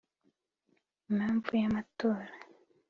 Impamvu y’amatora